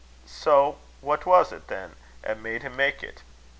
Sae what was't, then, 'at made him mak' it?